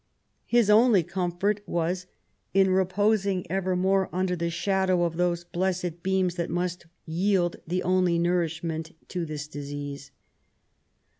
His only comfort was in "reposing evermore under the shadow of those blessed beams that must yield the only nourishment to this disease